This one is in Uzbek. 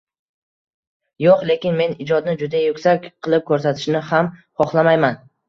– Yo‘q. Lekin men ijodni juda yuksak qilib ko‘rsatishni ham xohlamayman.